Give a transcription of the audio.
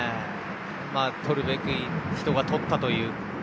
取るべき人が取ったという。